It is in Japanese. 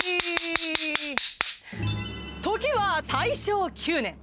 時は大正９年。